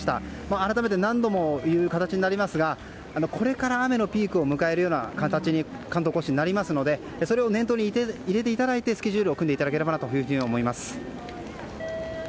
改めて何度も言う形になりますがこれから雨のピークを迎える形に関東・甲信はなりますのでそれを念頭に入れていただいてスケジュールを組んでいただければなと思います。